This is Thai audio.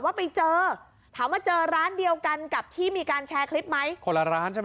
ว่าไปเจอถามว่าเจอร้านเดียวกันกับที่มีการแชร์คลิปไหมคน